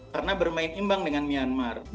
karena bermain imbang dengan myanmar